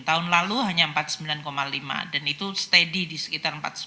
tahun lalu hanya empat puluh sembilan lima dan itu steady di sekitar empat puluh lima